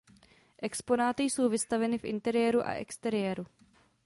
Exponáty jsou vystaveny v interiéru a exteriéru.